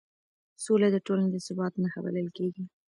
سوله د ټولنې د ثبات نښه بلل کېږي